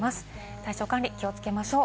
体調管理に気をつけましょう。